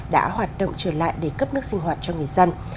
đã hoạt động trở lại để cấp nước sinh hoạt cho người dân